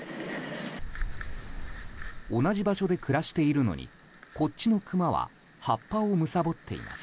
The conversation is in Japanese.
同じ場所で暮らしているのにこっちのクマは葉っぱをむさぼっています。